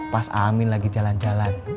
pas amin lagi jalan jalan